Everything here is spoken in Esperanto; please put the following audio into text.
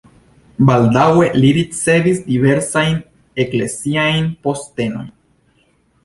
Baldaŭe li ricevis diversajn ekleziajn postenojn.